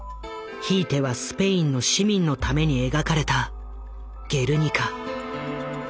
ひいてはスペインの市民のために描かれた「ゲルニカ」。